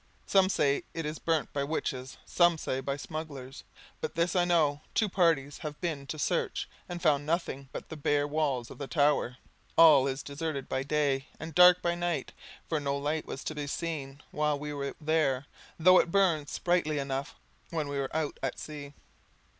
Some say it is burnt by witches, some say by smugglers; but this I know, two parties have been to search, and found nothing but the bare walls of the tower. All is deserted by day, and dark by night; for no light was to be seen while we were there, though it burned sprightly enough when we were out at sea.